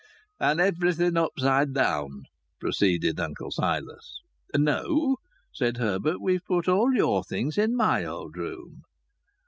"And everything upside down!" proceeded Uncle Silas. "No!" said Herbert. "We've put all your things in my old room."